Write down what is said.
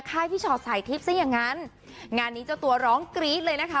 ค่ายพี่ชอตสายทิพย์ซะอย่างนั้นงานนี้เจ้าตัวร้องกรี๊ดเลยนะคะ